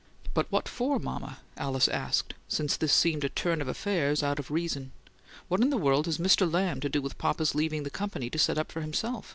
"But what for, mama?" Alice asked, since this seemed a turn of affairs out of reason. "What in the world has Mr. Lamb to do with papa's leaving the company to set up for himself?